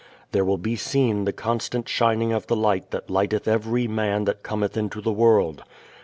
There will be seen the constant shining of the light that lighteth every man that cometh into the world.